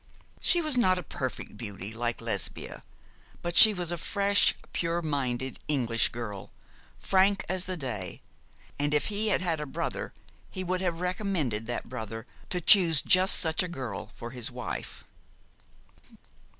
She was not a perfect beauty, like Lesbia; but she was a fresh, pure minded English girl, frank as the day, and if he had had a brother he would have recommended that brother to choose just such a girl for his wife.